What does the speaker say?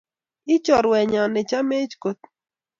I Choruennyo ne cha-mech kot;